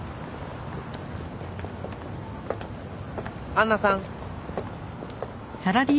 杏奈さん。